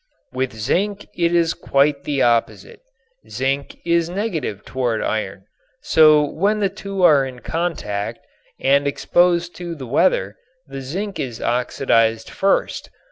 With zinc it is quite the opposite. Zinc is negative toward iron, so when the two are in contact and exposed to the weather the zinc is oxidized first.